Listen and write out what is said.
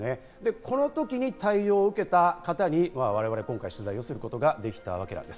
この時に対応を受けた方に我々、今回取材することができたわけです。